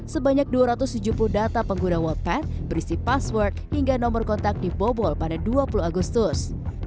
sebanyak dua ratus tujuh puluh data pengguna walpad berisi password hingga nomor kontak dibobol pada dua puluh agustus